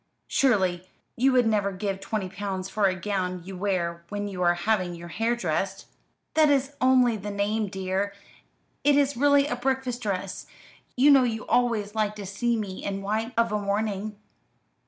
"Surely you would never give twenty pounds for a gown you wear when you are having your hair dressed?" "That is only the name, dear. It is really a breakfast dress. You know you always like to see me in white of a morning."